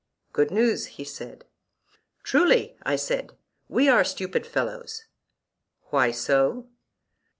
Good news, he said. Truly, I said, we are stupid fellows. Why so?